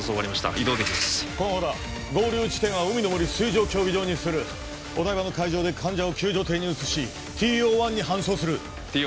移動できます駒場だ合流地点は海の森水上競技場にするお台場の海上で患者を救助艇に移しＴＯ１に搬送するＴＯ